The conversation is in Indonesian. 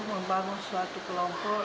membangun suatu kelompok